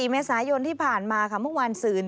เมษายนที่ผ่านมาค่ะเมื่อวานศืน